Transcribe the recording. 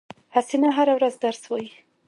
حسینه هره ورځ درس وایی